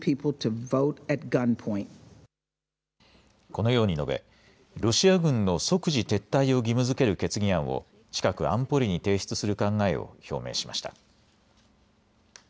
このように述べ、ロシア軍の即時撤退を義務づける決議案を近く安保理に提出する考えを表明しました。